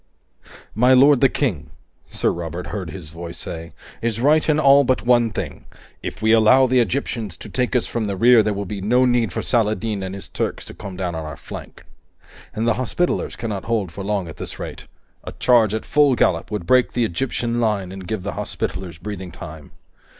"My lord the King," Sir Robert heard his voice say, "is right in all but one thing. If we allow the Egyptians to take us from the rear, there will be no need for Saladin and his Turks to come down on our flank. And the Hospitallers cannot hold for long at this rate. A charge at full gallop would break the Egyptian line and give the Hospitallers breathing time.